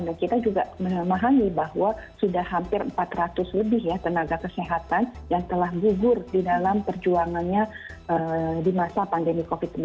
dan kita juga memahami bahwa sudah hampir empat ratus lebih ya tenaga kesehatan yang telah gugur di dalam perjuangannya di masa pandemi covid sembilan belas